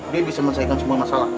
dia bisa menyelesaikan semua masalah